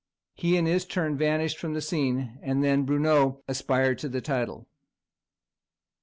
He in his turn vanished from the scene, and then Bruneau aspired to the title.